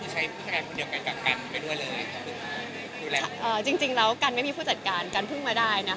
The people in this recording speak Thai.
จริงแล้วกันไม่มีผู้จัดการกันพึ่งมาได้